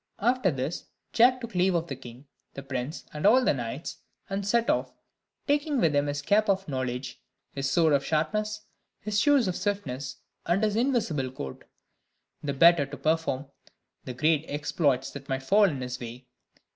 After this, Jack took leave of the king, the prince, and all the knights, and set off; taking with him his cap of knowledge, his sword of sharpness, his shoes of swiftness, and his invisible coat, the better to perform the great exploits that might fall in his way.